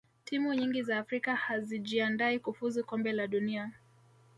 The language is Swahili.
timu nyingi za afrika hazijiandai kufuzu kombe la dunia